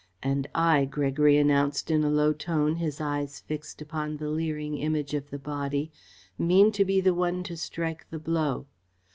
"And I," Gregory announced, in a low tone, his eyes fixed upon the leering Image of the Body, "mean to be the one to strike the blow.